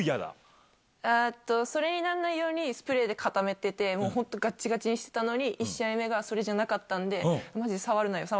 それになんないよう固めてってガッチガチにしてたのに１試合目がそれじゃなかったんで。